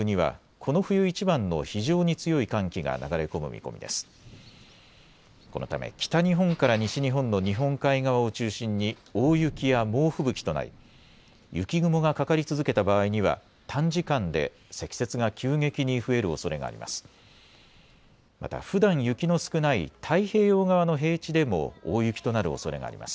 このため北日本から西日本の日本海側を中心に大雪や猛吹雪となり雪雲がかかり続けた場合には短時間で積雪が急激に増えるおそれがあります。